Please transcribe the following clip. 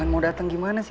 lan mau dateng gimana sih